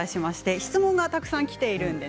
質問がたくさんきています。